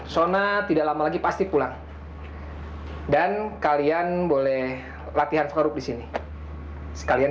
sona tidak lama lagi pasti pulang hai dan kalian boleh latihan karut disini sekalian